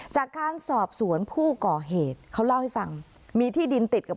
จากการสอบสวนผู้ก่อเหตุเขาเล่าให้ฟังมีที่ดินติดกับ